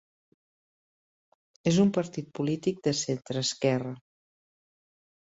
És un partit polític de centreesquerra.